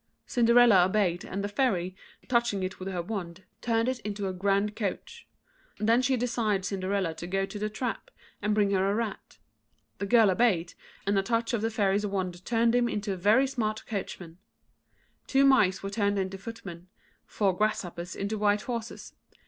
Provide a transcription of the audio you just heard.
Cinderella obeyed, and the Fairy, touching it with her wand, turned it into a grand coach. Then she desired Cinderella to go to the trap, and bring her a rat. The girl obeyed, and a touch of the Fairy's wand turned him into a very smart coachman. Two mice were turned into footmen; four grasshoppers into white horses.